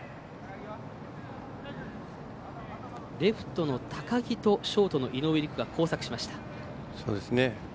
レフトの高木とショートの井上陸が交錯しました。